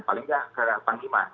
paling tidak ke pengiman